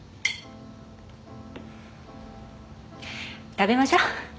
食べましょう。